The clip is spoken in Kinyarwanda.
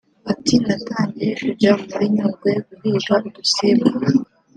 Ati“Natangiye kujya muri Nyugwe guhiga udusimba